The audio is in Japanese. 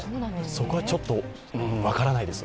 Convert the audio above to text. そこはちょっと分からないです。